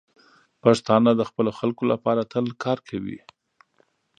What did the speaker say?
پښتانه د خپلو خلکو لپاره تل کار کوي.